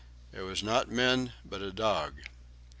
It was not men, but a dog.